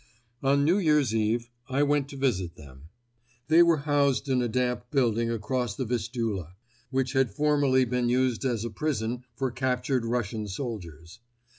On New Year's Eve I went to visit them; they were housed in a damp building across the Vistula, which had formerly been used as a prison for captured Russian soldiers.